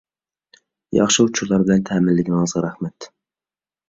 ياخشى ئۇچۇرلار بىلەن تەمىنلىگىنىڭىزگە رەھمەت.